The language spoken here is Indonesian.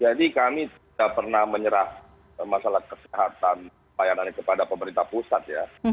jadi kami tidak pernah menyerah masalah kesehatan layanan ini kepada pemerintah pusat ya